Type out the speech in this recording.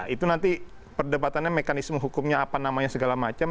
itu nanti perdebatannya mekanisme hukumnya apa namanya segala macam